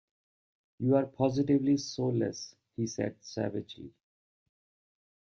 You are positively soulless, he said savagely.